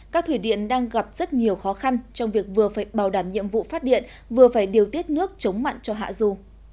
các thủy điện đang gặp rất nhiều khó khăn trong việc vừa phải bảo đảm nhiệm vụ phát điện vừa phải điều tiết nước chống mặn cho hạ dù